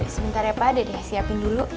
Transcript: sebentar ya pak dede siapin dulu